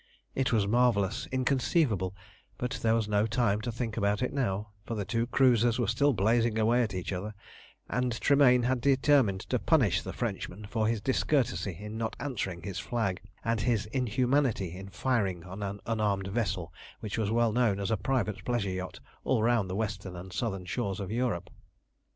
It was marvellous, inconceivable, but there was no time to think about it now, for the two cruisers were still blazing away at each other, and Tremayne had determined to punish the Frenchman for his discourtesy in not answering his flag, and his inhumanity in firing on an unarmed vessel which was well known as a private pleasure yacht all round the western and southern shores of Europe.